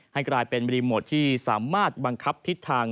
ให้กลายเป็นรีโมทที่สามารถบังคับทิศทาง